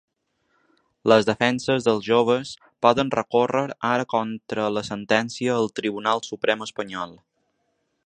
Les defenses dels joves poden recórrer ara contra la sentència al Tribunal Suprem espanyol.